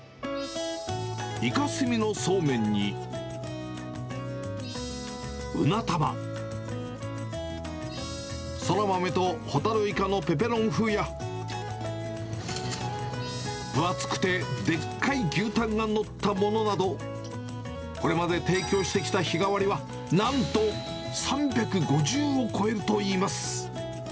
いか墨のそうめんに、うな玉、そらまめとほたるいかのペペロン風や、分厚くてでっかい牛たんが載ったものなど、これまで提供してきた日替わりは、なんと３５０を超えるといいます。